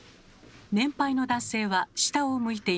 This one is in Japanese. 年配の男性は下を向いています。